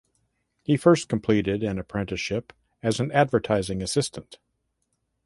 He first completed an apprenticeship as an advertising assistant.